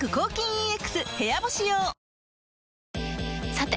さて！